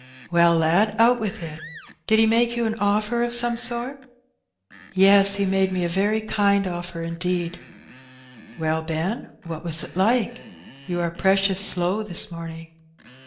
''" Well, lad^ out with it : did he make you an offer of some sort?" "Yes, he made me a very kind offer indeed." "Well, Ben, what was it like? You are precious slow this morning."